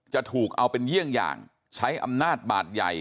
จะถูกเอาเป็นเยี่ยงอย่างใช้อำนาจบาดใหญ่